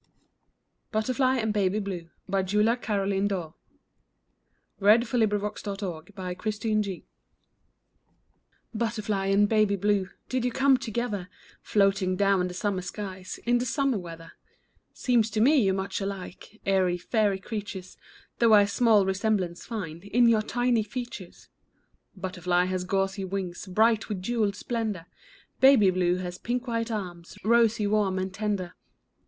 e. And then softly sank to silence — silence kept for evermore. BUTTERFLY AND BABY BLUE Butterfly and Baby Blue, Did you come together Floating down the summer skies, In the summer weather ? Seems to me you're much alike. Airy, fairy creatures, Though I small resemblance find In your tiny features ! Butterfly has gauzy wings. Bright with jewelled splendor ; Baby Blue has pink white arms, Rosy, warm, and tender.